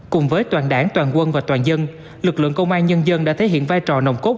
cùng với toàn đảng toàn quân và toàn dân lực lượng công an nhân dân đã thể hiện vai trò nồng cốt